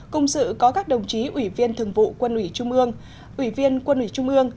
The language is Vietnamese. cùng sự có các đồng chí ủy viên thường vụ quân ủy trung ương ủy viên quân ủy trung ương